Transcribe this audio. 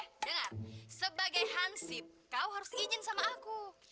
dengar sebagai hansip kau harus izin sama aku